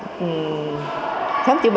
vừa phát triển y tế